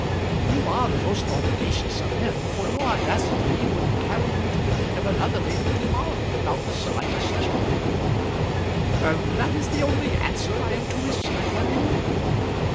"You are the most audacious of men, for your audacity would carry you to the feet of another lady to morrow without the slightest check." "And that is the only answer I am to receive from you?"